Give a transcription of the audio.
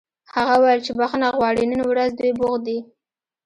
هغه وویل چې بښنه غواړي نن ورځ دوی بوخت دي